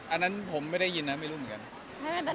อันนั้นผมไม่ได้ยินนะไม่รู้เหมือนกัน